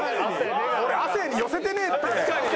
俺亜生に寄せてねえって！